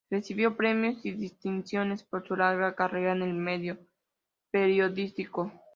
Recibió premios y distinciones por su larga carrera en el medio periodístico.